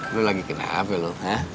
lu lagi kenapa lu